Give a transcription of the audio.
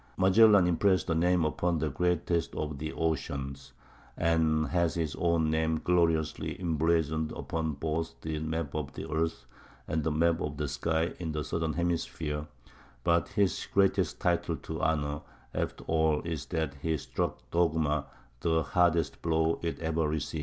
Magellan impressed a name upon the greatest of the oceans, and has his own name gloriously emblazoned upon both the map of the earth and the map of the sky in the southern hemisphere; but his greatest title to honor, after all, is that he struck dogma the hardest blow it ever received.